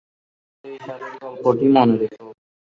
সেই ষাঁড়ের গল্পটি মনে রেখ।